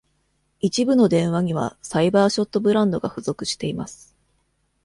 一部の電話にはサイバーショットブランドが付属しています。